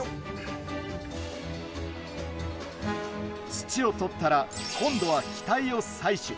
土をとったら今度は気体を採取。